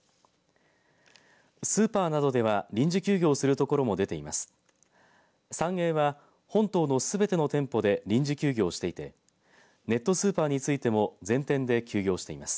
スーパーなどでは臨時休業するところも出ています。